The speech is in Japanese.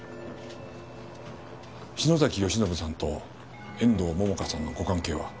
篠崎善信さんと遠藤桃花さんのご関係は？